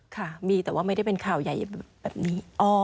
ค่ะมีแต่ว่าไม่ได้เป็นข่าวใหญ่แบบนี้